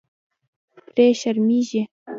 پرې شرمېږي.